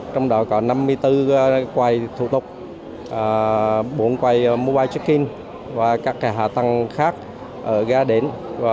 trong đó có năm mươi bốn quầy thủ tục bốn quầy mobile check in và các hạ tầng khác ở ga đến